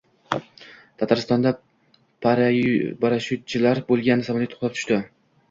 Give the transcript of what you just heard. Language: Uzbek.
Tataristonda parashyutchilar bo‘lgan samolyot qulab tushdi